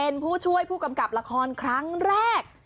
เป็นผู้ช่วยผู้กำกับละครครั้งแรก